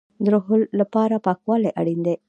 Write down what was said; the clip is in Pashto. د روح لپاره پاکوالی اړین دی